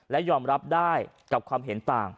และยอมรับได้กับความเห็นต่าง